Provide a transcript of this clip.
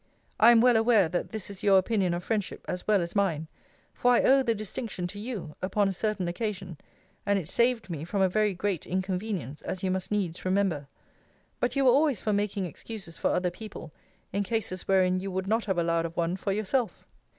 I am well aware that this is your opinion of friendship, as well as mine: for I owe the distinction to you, upon a certain occasion; and it saved me from a very great inconvenience, as you must needs remember. But you were always for making excuses for other people, in cases wherein you would not have allowed of one for yourself.